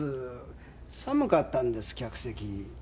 寒かったんです客席。